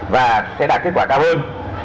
và sẽ đạt kết quả cao hơn